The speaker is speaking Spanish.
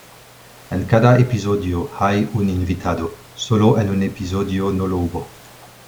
En cada episodio hay un invitado; solo en un episodio no lo hubo.